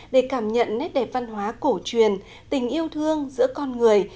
để cảm nhận nét đẹp văn hóa cổ truyền tình yêu thương giữa con người